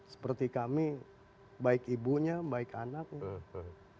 seperti kami baik ibunya baik anaknya